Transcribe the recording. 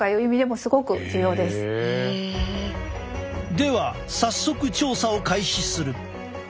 では早速調査を開始する。